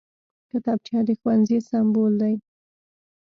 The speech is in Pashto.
کتابچه د ښوونځي سمبول دی